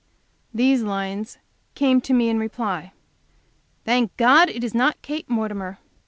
These lines came to me in reply: "Thank God it is not Kate Mortimer.